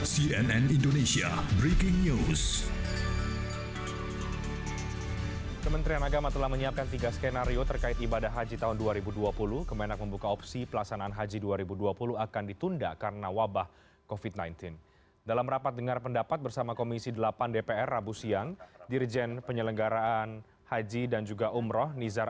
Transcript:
cnn indonesia breaking news